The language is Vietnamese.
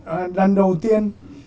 lần đầu tiên